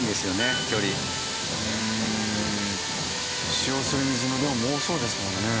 使用する水の量も多そうですもんね。